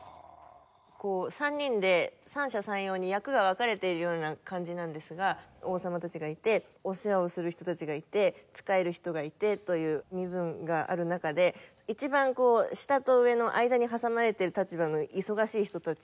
３人で三者三様に役が分かれているような感じなんですが王様たちがいてお世話をする人たちがいて仕える人がいてという身分がある中で一番下と上の間に挟まれている立場の忙しい人たち。